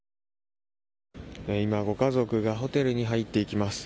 今、ご家族がホテルに入っていきます。